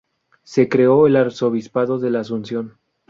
Se creó el arzobispado de la Asunción.